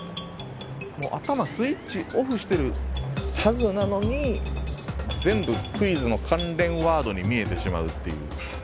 もう頭スイッチオフしてるはずなのに全部クイズの関連ワードに見えてしまうっていう。